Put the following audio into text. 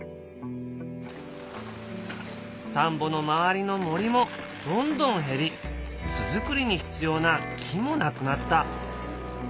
田んぼの周りの森もどんどん減り巣作りに必要な木もなくなった。